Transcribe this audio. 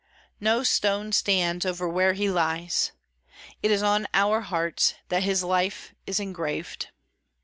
No stone stands over where he lies. It is on our hearts that his life is engraved.